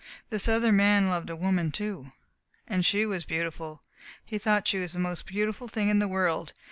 "This other man loved a woman, too. And she was beautiful. He thought she was the most beautiful thing in the world.